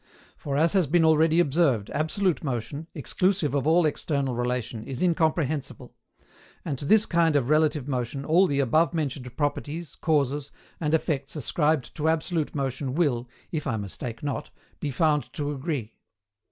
For, as has been already observed, absolute motion, exclusive of all external relation, is incomprehensible; and to this kind of relative motion all the above mentioned properties, causes, and effects ascribed to absolute motion will, if I mistake not, be found to agree.